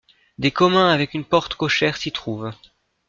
Des communs avec une porte cochère s'y trouvent.